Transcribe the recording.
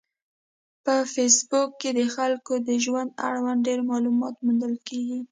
په فېسبوک کې د خلکو د ژوند اړوند ډېر معلومات موندل کېږي.